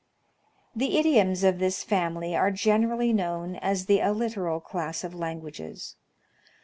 The idioms of this family are generally known as the alliteral class of languages.